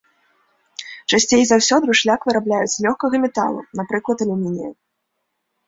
Часцей за ўсё друшляк вырабляюць з лёгкага металу, напрыклад, алюмінія.